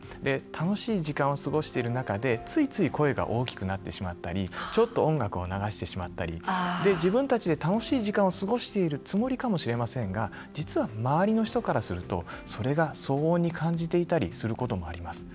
楽しい時間を過ごしている中でついつい声が大きくなってしまったりちょっと音楽を流してしまったり自分たちで楽しい時間を過ごしているつもりかもしれませんが実は、周りの人からするとそれが騒音に感じていたりすることもあります。